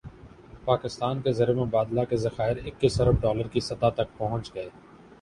پاکستان کے زرمبادلہ کے ذخائر اکیس ارب ڈالر کی سطح تک پہنچ گئے